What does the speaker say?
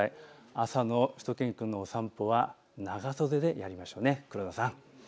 朝のしゅと犬くんのお散歩は長袖でやりましょう。